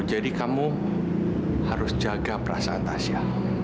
jadi kamu harus jaga perasaan tasha